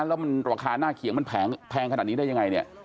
แล้วราคาหน้าเขียงมันแพงขนาดนี้ได้ยังไง